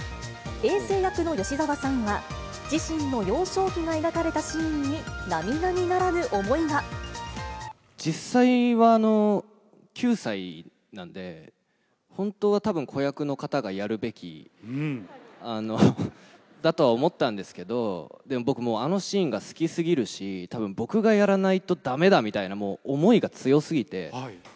えい政役の吉沢さんは、自身の幼少期が描かれたシーンになみなみ実際は、９歳なんで、本当はたぶん、子役の方がやるべきだとは思ったんですけど、でも、僕、もう、あのシーンが好きすぎるし、たぶん僕がやらないとだめだみたいな思いが強すぎて。